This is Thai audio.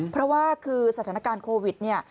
เพราะว่าคือสถานการณ์โควิดเนี่ย